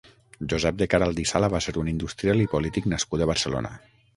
Josep de Caralt i Sala va ser un industrial i polític nascut a Barcelona.